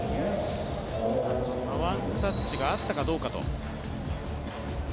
ワンタッチがあったかどうかと。